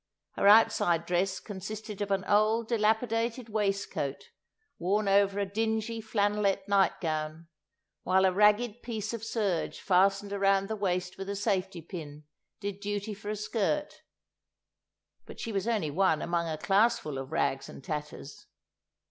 Her outside dress consisted of an old dilapidated waistcoat worn over a dingy flannelette nightgown, while a ragged piece of serge fastened around the waist with a safety pin did duty for a skirt. But she was only one among a classful of rags and tatters.